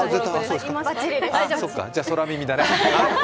じゃあ、空耳だね。